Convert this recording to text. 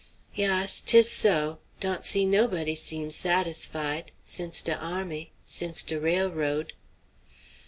"Yass, 'tis so. Dawn't see nobody seem satisfied since de army since de railroad."